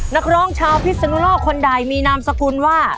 นักร้องชาวพิศนุโลกคนใดมีนามสกุลว่า